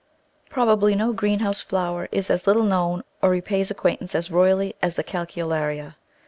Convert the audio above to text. Probably no greenhouse flower is as little known or repays acquaintance as royally as the Calceolaria.